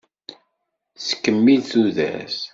Tettkemmil tudert.